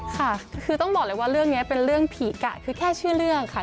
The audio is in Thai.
ค่ะคือต้องบอกเลยว่าเรื่องนี้เป็นเรื่องผีกะคือแค่ชื่อเรื่องค่ะ